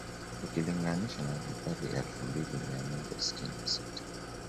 Ukilinganisha na vibali elfu mbili mia moja sitini na sita